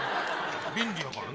便利だからね。